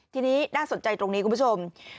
ทีนี้น่าสนใจตรงนี้คุณผู้ชม